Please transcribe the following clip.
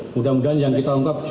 mudah mudahan yang kita ungkap